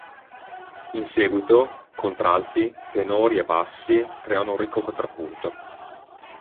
In seguito, contralti, tenori e bassi creano un ricco contrappunto.